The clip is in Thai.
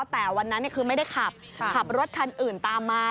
แต่วันนั้นคือไม่ได้ขับขับรถคันอื่นตามมา